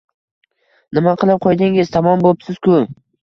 Nima qilib qo‘ydingiz, tamom bo‘psiz-ku!